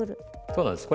そうなんです。